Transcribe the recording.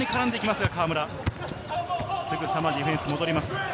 すぐさまディフェンスに戻ります。